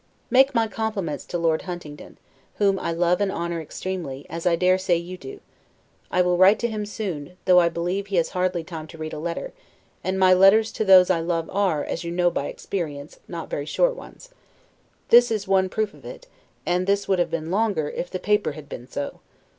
Make my compliments to Lord Huntingdon, whom I love and honor extremely, as I dare say you do; I will write to him soon, though I believe he has hardly time to read a letter; and my letters to those I love are, as you know by experience, not very short ones: this is one proof of it, and this would have been longer, if the paper had been so.